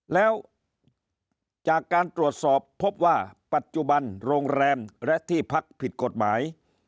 แล้วจากการตรวจสอบพบว่าปัจจุบันโรงแรมและที่พักผิดกฎหมาย